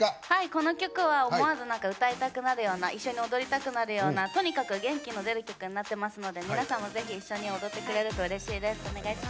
この曲は思わず踊りたくなるようなとにかく元気の出る曲になってますので皆さんもぜひ、一緒に歌ってくれるとうれしいです。